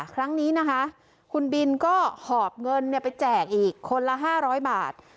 ครั้งนี้นะคะคุณบินก็หอบเงินไปแจกอีกคนละ๕๐๐บาท